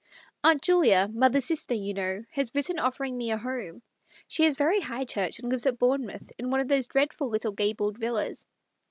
" Aunt Julia — mother's sister, you know— has written, offering me a home. But she is very High Church, and lives at Bourne mouth in one of those dreadful little gabled villas."